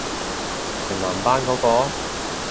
全男班嗰個？